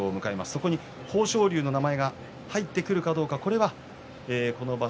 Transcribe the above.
そこに豊昇龍の名前が入ってくるかどうか。